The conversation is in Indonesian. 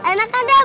enak kan dem